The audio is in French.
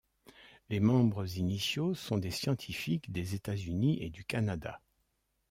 Les membres initiaux sont des scientifiques des États-Unis et du Canada.